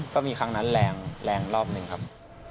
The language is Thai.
ก็มีครั้งนั้นแรงแรงรอบหนึ่งครับ